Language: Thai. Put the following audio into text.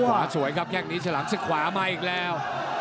สวยครับแค่งนี้ฉลามศึกขวามาอีกแล้ว